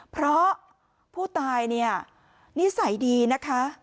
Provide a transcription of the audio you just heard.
เพราะผู้ตายเนี่ยนิสัยดีนะคะ